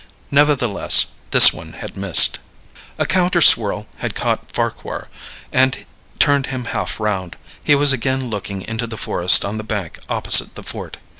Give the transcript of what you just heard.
Nevertheless, this one had missed. A counter swirl had caught Farquhar and turned him half round; he was again looking into the forest on the bank opposite the fort.